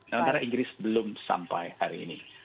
sementara inggris belum sampai hari ini